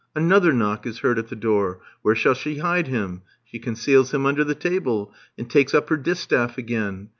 Another knock is heard at the door. Where shall she hide him? She conceals him under the table, and takes up her distaff again.